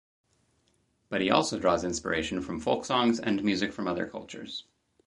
But he also draws inspiration from folk songs and music from other cultures.